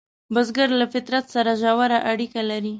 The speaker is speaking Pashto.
بزګر له فطرت سره ژور اړیکه لري